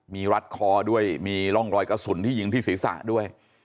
มีรัดคอด้วยมีร่องรอยกระสุนที่ยิงที่ศีรษะด้วย